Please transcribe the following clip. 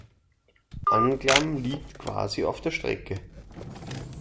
Anklam liegt quasi auf der Strecke.